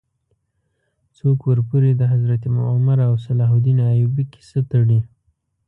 څوک ورپورې د حضرت عمر او صلاح الدین ایوبي کیسه تړي.